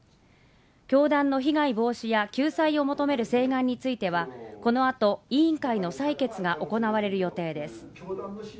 教団の被害防止や救済を求める請願についてはこのあと委員会の採決が行われる予定です